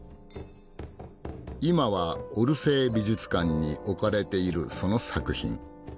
今はオルセー美術館に置かれているその作品。